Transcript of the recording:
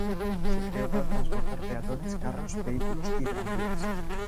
Se creó para transportar peatones, carros, vehículos y tranvías.